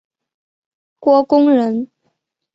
郭躬人。